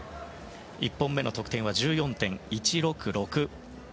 １本目の得点は１４．１６６。